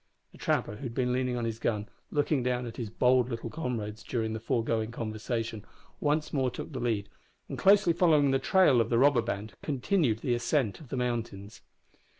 The trapper, who had been leaning on his gun, looking down at his bold little comrades during the foregoing conversation, once more took the lead, and, closely following the trail of the robber band, continued the ascent of the mountains.